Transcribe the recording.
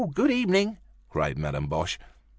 Good evening," cried Madame Boche.